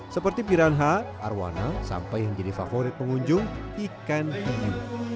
seperti piranha arowana sampai yang jadi favorit pengunjung ikan hiu